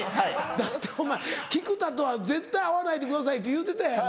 だってお前「菊田とは絶対会わないでください」って言うてたやんか。